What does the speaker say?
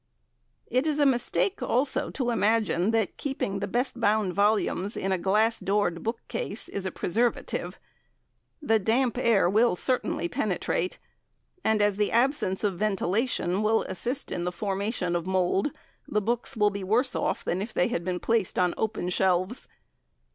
It is a mistake also to imagine that keeping the best bound volumes in a glass doored book case is a preservative. The damp air will certainly penetrate, and as the absence of ventilation will assist the formation of mould, the books will be worse off than if they had been placed in open shelves.